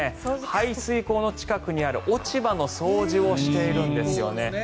排水溝の近くにある落ち葉の掃除をしているんです。